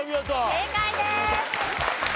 正解です！